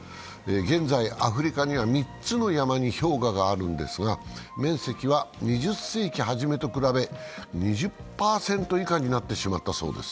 現在、アフリカには３つの山に氷河があるんですが、面積は２０世紀初めと比べ、２０％以下になってしまったそうです。